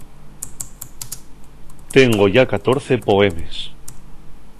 Tengo yá catorce poemes.